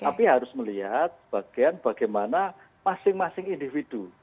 tapi harus melihat bagian bagaimana masing masing individu